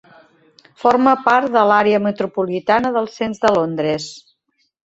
Forma part de l'àrea metropolitana del cens de Londres.